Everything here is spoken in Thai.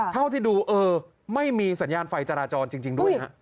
เท่าที่ดูเออไม่มีสัญญาณไฟจราจรจริงด้วยฮะ